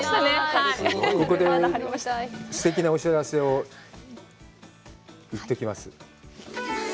ここで、すてきなお知らせを言っときます。